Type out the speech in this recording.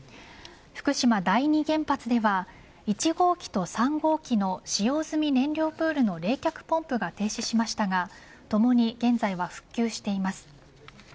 福島第二原発では１号機と３号機の使用済み燃料プールの冷却ポンプが停止しましたがともに現在は復旧しています。